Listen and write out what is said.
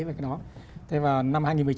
với nó năm hai nghìn một mươi chín